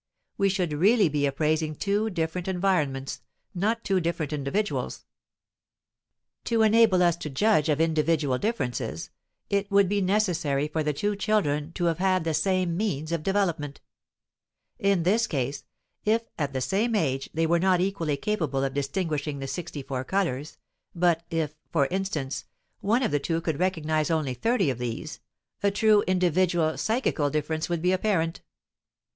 We should really be appraising two different environments, not two different individuals. To enable us to judge of individual differences, it would be necessary for the two children to have had the same means of development. In this case, if at the same age they were not equally capable of distinguishing the sixty four colors, but if, for instance, one of the two could recognize only thirty of these, a true individual psychical difference would be apparent.